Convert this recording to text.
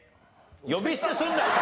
呼び捨てすんなよ。